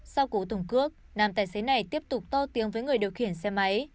sau cú tùng cước nam tài xế này tiếp tục to tiếng với người điều kiển xe máy